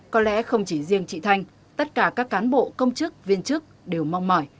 có lẽ không chỉ riêng chị thanh tất cả các cán bộ công chức viên chức đều mong mỏi